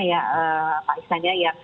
ya pak islan ya